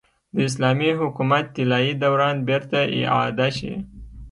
د اسلامي حکومت طلايي دوران بېرته اعاده شي.